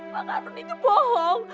pak arun ini bohong